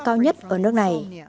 cao nhất ở nước này